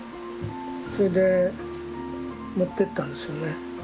それで持ってったんですよね。